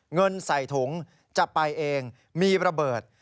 เงินใส่ถุงจะไปเองมีระเบิด